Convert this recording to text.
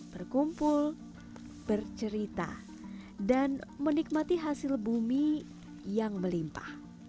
berkumpul bercerita dan menikmati hasil bumi yang melimpah